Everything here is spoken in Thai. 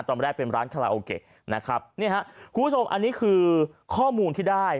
ตอนแรกเป็นร้านคาราโอเกะนะครับนี่ฮะคุณผู้ชมอันนี้คือข้อมูลที่ได้